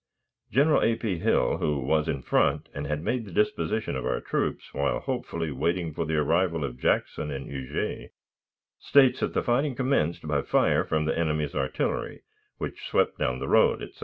General A. P. Hill, who was in front and had made the dispositions of our troops while hopefully waiting for the arrival of Jackson and Huger, states that the fight commenced by fire from the enemy's artillery, which swept down the road, etc.